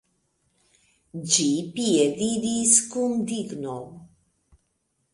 Ĝi piediris kun digno.